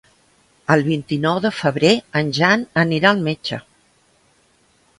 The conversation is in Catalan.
El vint-i-nou de febrer en Jan anirà al metge.